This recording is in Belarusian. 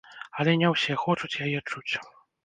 Але не ўсе хочуць яе чуць.